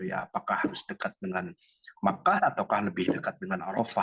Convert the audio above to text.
apakah harus dekat dengan makkah ataukah lebih dekat dengan arofah